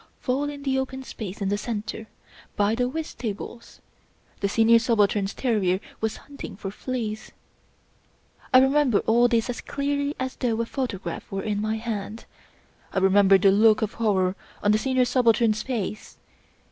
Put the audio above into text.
Full in the open space in the center, by the whist tables, the Senior Subaltern's terrier was hunting for fleas. I remember all this as clearly as though a photograph were in my hand. I remember the look of horror on the Senior Subaltern's face.